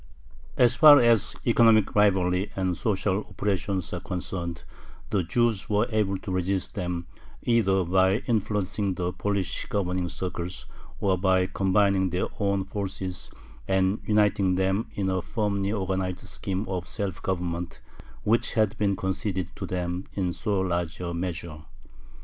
As far as economic rivalry and social oppression are concerned, the Jews were able to resist them, either by influencing the Polish governing circles, or by combining their own forces and uniting them in a firmly organized scheme of self government, which had been conceded to them in so large a measure.